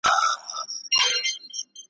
ستا به هېر سوی یم خو زه دي هېرولای نه سم `